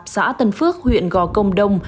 xã tân phước huyện gò công đông